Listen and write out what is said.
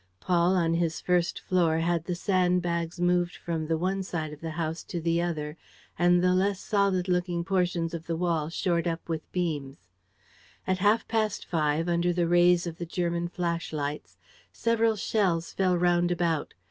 Paul, on his first floor, had the sandbags moved from the one side of the house to the other and the less solid looking portions of the wall shored up with beams. At half past five, under the rays of the German flashlights, several shells fell round about.